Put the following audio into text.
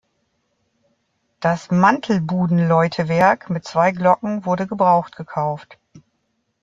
Das „Mantelbuden-Läutewerk“ mit zwei Glocken wurde gebraucht gekauft.